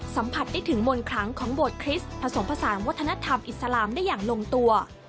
สัมผัสได้ถึงมนต์ครั้งของโบสคริสต์ผสมผสานวัฒนธรรมอิสลามได้อย่างลงตัว